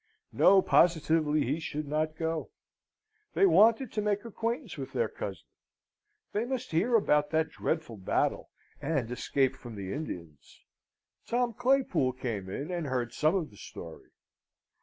No, positively, he should not go. They wanted to make acquaintance with their cousin. They must hear about that dreadful battle and escape from the Indians. Tom Claypool came in and heard some of the story.